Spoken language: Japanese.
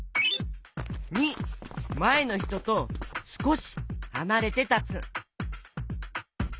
②まえのひととすこしはなれてたつ。